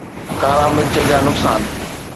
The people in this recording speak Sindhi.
ڪارا مرچ جا نقصان